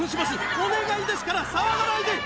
お願いですから騒がないで！